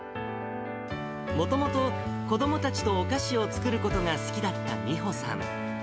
もともと、子どもたちとお菓子を作ることが好きだった美穂さん。